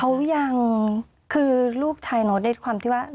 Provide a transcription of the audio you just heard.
เขายังคือลูกชายเนอะด้วยความที่ว่า